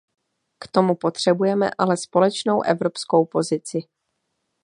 K tomu potřebujeme ale společnou evropskou pozici.